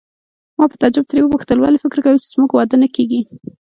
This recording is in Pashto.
ما په تعجب ترې وپوښتل: ولې فکر کوې چې زموږ واده نه کیږي؟